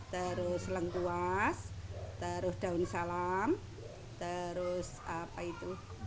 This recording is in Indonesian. terus lengkuas terus daun salam terus apa itu